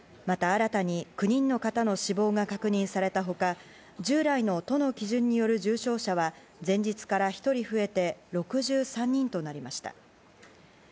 また、新たに９人の方の死亡が確認された他従来の都の基準による重症者は前日から１人増えて６３人となりました。